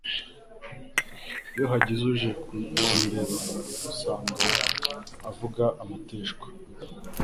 Iyo hagize uje kundeba usanga avuga amateshwa